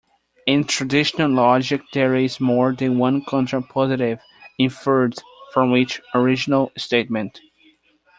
In traditional logic there is more than one contrapositive inferred from each original statement.